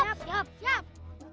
siap siap siap